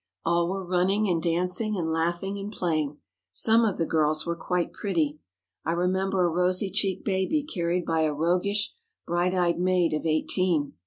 All were running and dancing and laughing and playing. Some of the girls were quite pretty. I remember a rosy cheeked baby carried by a roguish, bright eyed maid of eighteen.